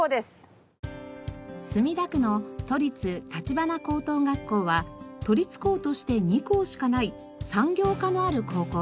墨田区の都立橘高等学校は都立高として２校しかない産業科のある高校です。